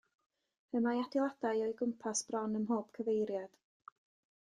Y mae adeiladau o'i gwmpas bron ym mhob cyfeiriad.